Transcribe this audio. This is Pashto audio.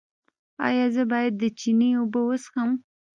ایا زه باید د چینې اوبه وڅښم؟